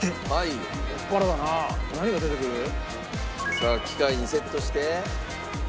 さあ機械にセットして。